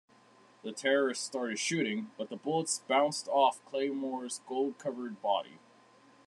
The terrorists started shooting, but the bullets bounced off Claymore's gold-covered body.